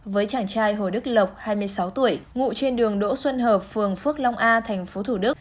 với chàng trai hồ đức lộc hai mươi sáu tuổi ngụ trên đường đỗ xuân hợp phường phước long a tp thủ đức